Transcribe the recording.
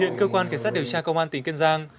hiện cơ quan kiểm tra công an tỉnh kiên giang